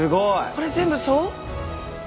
これ全部そう？